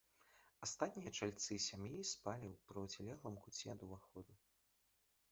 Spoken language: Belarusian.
Астатнія чальцы сям'і спалі ў процілеглым куце ад уваходу.